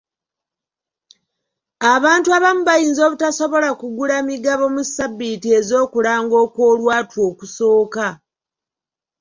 Abantu abamu bayinza obutasobola kugula migabo mu ssabbiiti ez'okulanga okw'olwatu okusooka.